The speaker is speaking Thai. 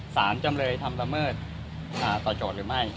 จำเลยทำละเมิดต่อโจทย์หรือไม่